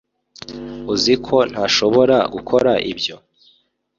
uzi ko ntashobora gukora ibyo